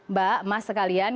mbak mas sekalian